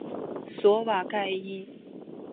索瓦盖伊。